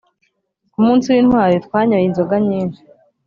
ku munsi w‘intwari, twanyoye inzoga nyinshi.